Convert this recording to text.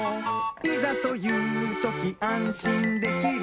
「いざというときあんしんできる」